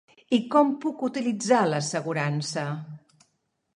I com puc utilitzar l'assegurança?